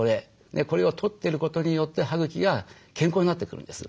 これを取ってることによって歯茎が健康になってくるんです。